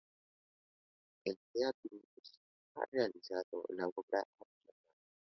En teatro está realizando la obra "Action man".